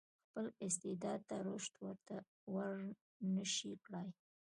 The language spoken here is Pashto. خپل استعداد ته رشد ورنه شي کړای.